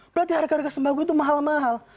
berarti harga harga sembako itu mahal mahal